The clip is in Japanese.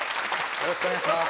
よろしくお願いします